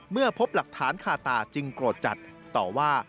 เมื่อพบหลักฐานคาตาจึงโกรธจัดต่อว่า